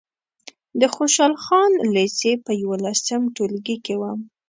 د خوشحال خان لېسې په یولسم ټولګي کې وم.